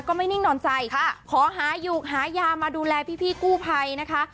ไม่นิ่งนอนใจขอหาอยู่หายามาดูแลพี่กู้ภัยนะคะ